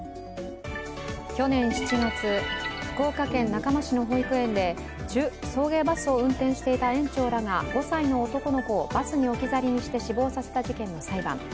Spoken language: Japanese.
去年７月、福岡県中間市の保育園で送迎バスを運転していた園長らが５歳の男の子をバスに置き去りにして死亡させた事件の裁判。